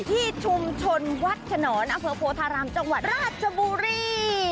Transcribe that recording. ที่ชุมชนวัดขนอนอำเภอโพธารามจังหวัดราชบุรี